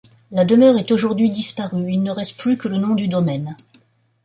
La demeure est aujourd'hui disparue, il ne reste plus que le nom du domaine.